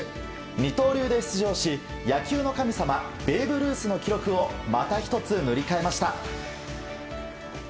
二刀流で出場し、野球の神様ベーブ・ルースの記録をまた１つ塗り替えました。